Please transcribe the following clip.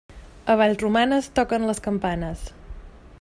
A Vallromanes, toquen les campanes.